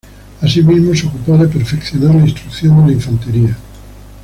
Asimismo se ocupó de perfeccionar la instrucción de la infantería.